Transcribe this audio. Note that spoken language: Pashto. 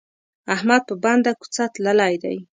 احمد په بنده کوڅه تللی دی.